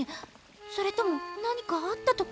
それとも何かあったとか！？